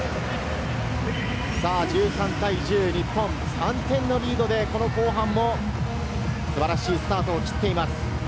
１３対１０、日本、３点のリードで後半も素晴らしいスタートを切っています。